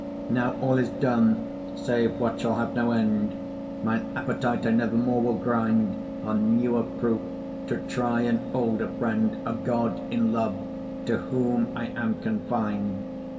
Now all is done, save what shall have no end: Mine appetite I never more will grind On newer proof, to try an older friend, A god in love, to whom I am confin'd.